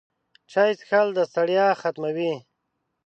چای څښل د ستړیا ختموي